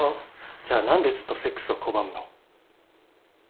じゃあ何でずっとセックスを拒むの？